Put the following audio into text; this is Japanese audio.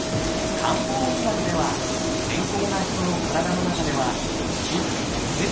漢方医学では健康な人の体の中では「気・血・水」